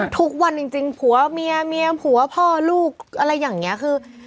ทุกวันจริงผัวเมียเมียผัวพ่อลูกอะไรอย่างนี้คือ